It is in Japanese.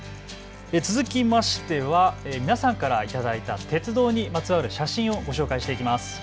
続きましては皆さんから頂いた鉄道にまつわる写真をご紹介していきます。